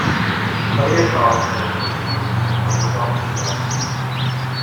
Spider Solitaire was introduced in the Microsoft Plus!